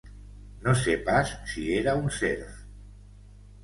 No sé pas si era un serf.